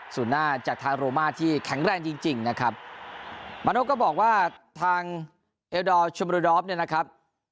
ส่วนหน้าจากทาโรมาที่แข็งแรงจริงจริงนะครับมานกก็บอกว่าทางเอลดอร์ชมโรดอฟเนี่ยนะครับ